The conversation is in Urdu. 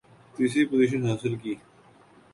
تیسری پوزیشن حاصل کی